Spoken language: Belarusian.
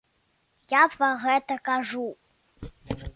Я пра гэта кажу.